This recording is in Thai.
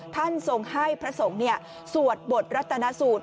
ท่านทรงให้พระสงฆ์สวดบทรัตนสูตร